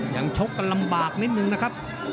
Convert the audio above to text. ชกกันลำบากนิดนึงนะครับ